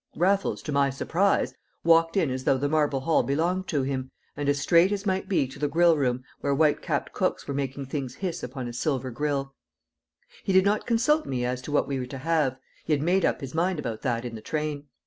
Raffles, to my surprise, walked in as though the marble hall belonged to him, and as straight as might be to the grill room where white capped cooks were making things hiss upon a silver grill. He did not consult me as to what we were to have. He had made up his mind about that in the train.